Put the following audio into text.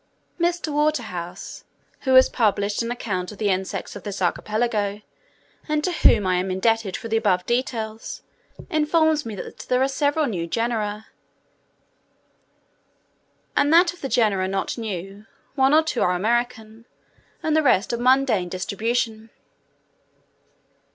Mr. Waterhouse, who has published an account of the insects of this archipelago, and to whom I am indebted for the above details, informs me that there are several new genera: and that of the genera not new, one or two are American, and the rest of mundane distribution.